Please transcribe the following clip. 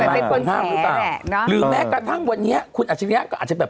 เหมือนเป็นคนแขนแหละเนาะหรือแม้กระทั่งวันนี้คุณอัศยะเนี่ยก็อาจจะแบบ